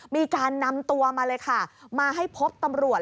มีการนำตัวมาเลยค่ะมาให้พบตำรวจ